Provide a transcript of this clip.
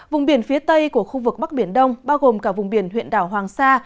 vùng biển phía tây của khu vực bắc biển đông bao gồm cả vùng biển huyện đảo hoàng sa